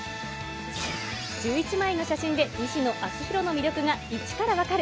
１１枚の写真で西野亮廣の魅力が１からわかる！